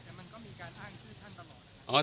แต่มันก็มีการอ้างชื่อท่านตลอดนะครับ